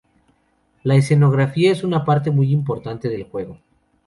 La escenografía es una parte muy importante del juego.